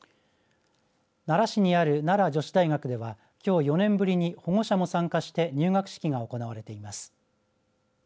奈良市にある奈良女子大学ではきょう４年ぶりに保護者も参加して入学式が行われています。